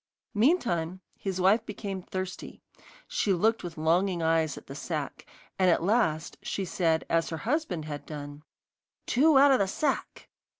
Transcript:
Meantime his wife became thirsty. She looked with longing eyes at the sack, and at last she said, as her husband had done: 'Two out of the sack.